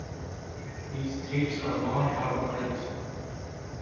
These tapes are long out-of-print.